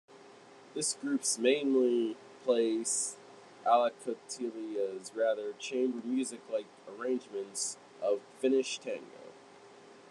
This groups mainly plays Alakotila's rather chamber-music-like arrangements of Finnish tango.